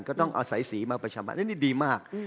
ก็ต้องเอาสายสีมาประชามพันธ์แล้วนี่ดีมาก